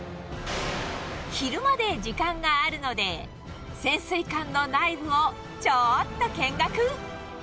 昼まで時間があるので、潜水艦の内部をちょっと見学。